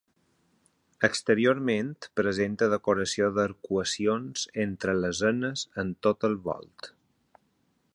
Exteriorment presenta decoració d'arcuacions entre lesenes en tot el volt.